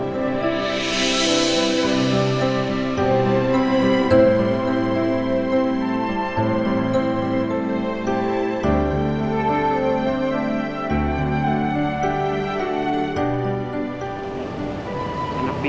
dia akan nangis